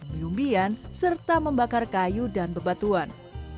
yumbian serta membakar kayu dan bebatuan